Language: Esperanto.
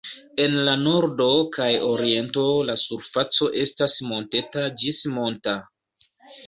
En la nordo kaj oriento la surfaco estas monteta ĝis monta.